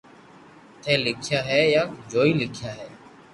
ٿي لکيا ھي يا جوئي لکيا ھي